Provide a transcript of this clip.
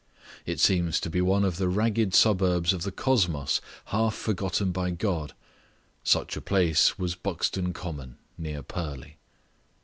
It seems to be one of the ragged suburbs of the cosmos half forgotten by God such a place was Buxton Common, near Purley.